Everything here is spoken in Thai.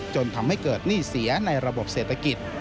จนทำให้เกิดหนี้เสียในระบบเศรษฐกิจ